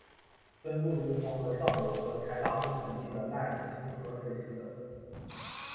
分布于黄河上游和柴达木盆地的奈齐河水系等。